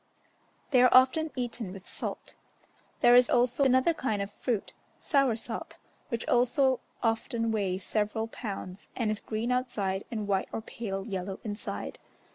They are often eaten with salt. There is also another kind of fruit, "sauersop," which also often weighs several pounds, and is green outside and white or pale yellow inside.